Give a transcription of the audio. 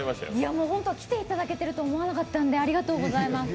もう来ていただけると思わなかったので、ありがとうございます。